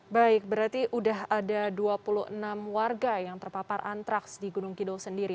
baik berarti sudah ada dua puluh enam warga yang terpapar antraks di gunung kidul sendiri